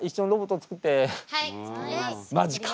マジか。